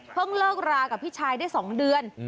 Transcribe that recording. เลิกรากับพี่ชายได้๒เดือน